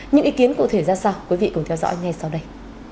những ý kiến cụ thể ra sao quý vị cùng theo dõi ngay sau đây